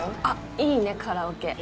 いいねカラオケ。